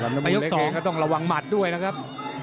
ลำนมูลเล็กนี่ต้องระวังหมาดด้วยนะครับ